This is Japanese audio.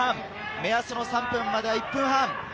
目安の３分までは１分半。